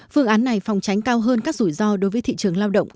phương án này phòng tránh cao hơn các rủi ro đối với thị trường lao động